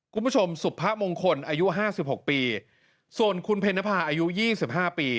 คุณผู้ชมสุพมงคลอายุห้าสิบหกปีส่วนคุณเพนภาอายุยี่สิบห้าปี